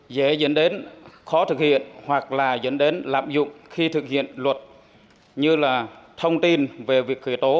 dễ dẫn đến khó thực hiện hoặc là dẫn đến lạm dụng khi thực hiện luật như là thông tin về việc khởi tố